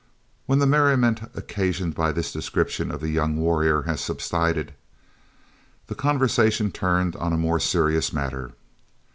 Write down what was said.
When the merriment occasioned by this description of the young warrior had subsided, the conversation turned on more serious matters.